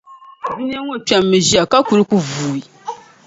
Dunia ŋɔ kpɛmmi ʒiɛya, ka kul ku vuui.